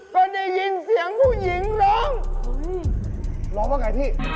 ก็ได้ยินเสียงผู้หญิงร้องร้องว่าไงพี่